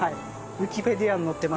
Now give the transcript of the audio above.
ウィキペディアに載ってます？